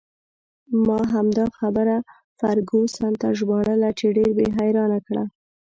ما همدا خبره فرګوسن ته ژباړله چې ډېر یې حیرانه کړه.